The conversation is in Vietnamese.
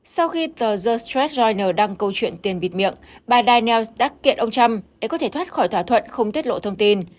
sau khi tờ the stress jona câu chuyện tiền bịt miệng bà daynels đã kiện ông trump để có thể thoát khỏi thỏa thuận không tiết lộ thông tin